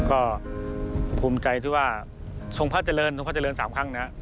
ก็ภูมิใจที่ว่าส่งพระเจริญส่งพระเจริญสามครั้งนะ